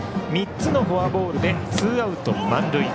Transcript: ３つのフォアボールでツーアウト満塁。